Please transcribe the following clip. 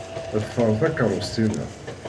Ḍfer takeṛṛust-inna.